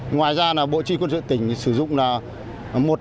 ngoài ra bộ tri quân sự tỉnh sử dụng một trăm bảy mươi đồng chí